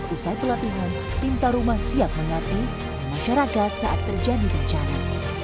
usai pelatihan pintaruma siap mengerti masyarakat saat terjadi bencana